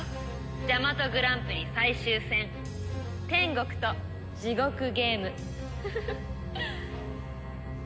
「ジャマトグランプリ最終戦天国と地獄ゲーム」「フフフッ」